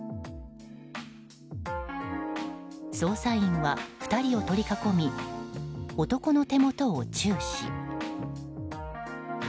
捜査員は２人を取り囲み男の手元を注視。